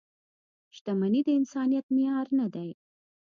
• شتمني د انسانیت معیار نه دی.